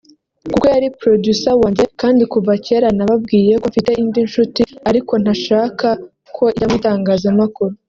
kuko yari producer wanjye kandi kuva kera nababwiye ko mfite indi nshuti ariko ntashaka ko ijya mu itangazamakuru”